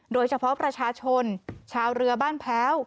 โดยเฉพาะประชาชนชาวเรือบ้านแพ้ว